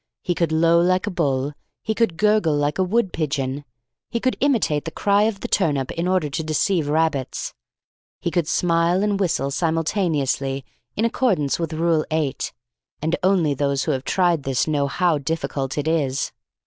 He could low like a bull. He could gurgle like a wood pigeon. He could imitate the cry of the turnip in order to deceive rabbits. He could smile and whistle simultaneously in accordance with Rule 8 (and only those who have tried this know how difficult it is).